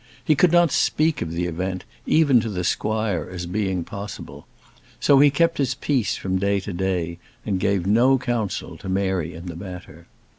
He could not speak of the event, even to the squire, as being possible. So he kept his peace from day to day, and gave no counsel to Mary in the matter.